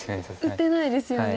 打てないですよね。